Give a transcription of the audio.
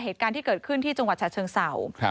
เหตุการณ์ที่เกิดขึ้นที่จังหวัดฉะเชิงเศร้า